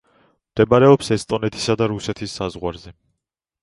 მდებარეობს ესტონეთისა და რუსეთის საზღვარზე.